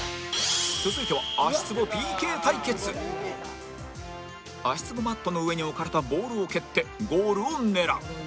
続いては足つぼマットの上に置かれたボールを蹴ってゴールを狙う